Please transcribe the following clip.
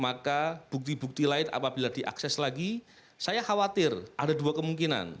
maka bukti bukti lain apabila diakses lagi saya khawatir ada dua kemungkinan